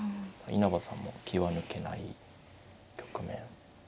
稲葉さんも気は抜けない局面。